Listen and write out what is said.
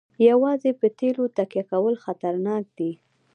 یوازې په تیلو تکیه کول خطرناک دي.